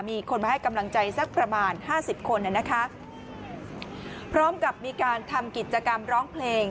มีคนมาให้กำลังใจสักประมาณห้าสิบคนน่ะนะคะพร้อมกับมีการทำกิจกรรมร้องเพลง